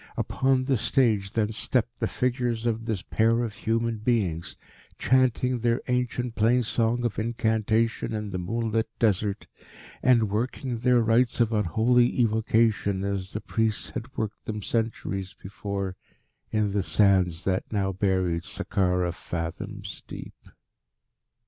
Upon the stage then stepped the figures of this pair of human beings, chanting their ancient plainsong of incantation in the moonlit desert, and working their rites of unholy evocation as the priests had worked them centuries before in the sands that now buried Sakkara fathoms deep.